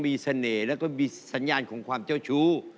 มีเสน่ห์แล้วก็มีสัญญาณของความเจ้าชู้